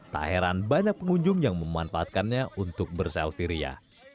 tak heran banyak pengunjung yang memanfaatkannya untuk berselfiria